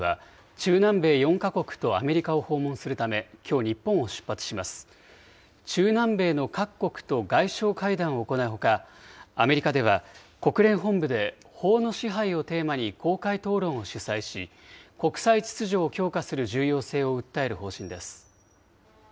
中南米の各国と外相会談を行うほか、アメリカでは国連本部で法の支配をテーマに公開討論を主催し、国際秩序を強化する重要性を訴える方針です。